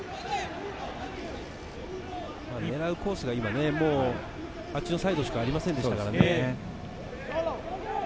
狙うコースがあっちのサイドしかありませんでしたからね。